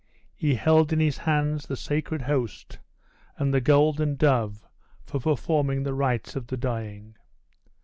He held in his hands the sacred host, and the golden dove, for performing the rites of the dying.